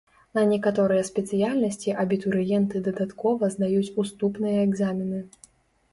На некаторыя спецыяльнасці абітурыенты дадаткова здаюць уступныя экзамены.